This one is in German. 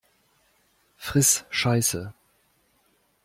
Friss Scheiße!